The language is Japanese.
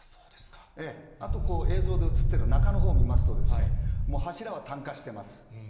あと映像で写っている中のほうを見ますと、柱は炭化してます。